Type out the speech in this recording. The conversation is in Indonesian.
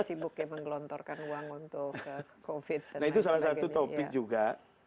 sibuk ya menggelontorkan uang untuk covid dan itu salah satu topik juga